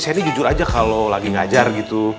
saya nih jujur aja kalo lagi ngajar gitu